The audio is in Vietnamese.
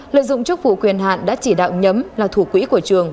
lợi dụng chức vụ quyền hạn đã chỉ đạo nhấm là thủ quỹ của trường